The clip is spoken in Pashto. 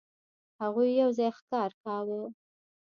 هغوی یو ځای ښکار کاوه.